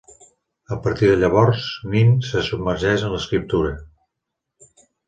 A partir de llavors, Nin se submergeix en l'escriptura.